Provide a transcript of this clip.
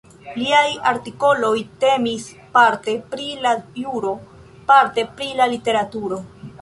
Liaj artikoloj temis parte pri la juro, parte pri la literaturo.